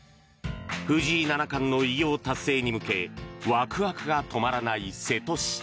藤井七冠の偉業達成に向けワクワクが止まらない瀬戸市。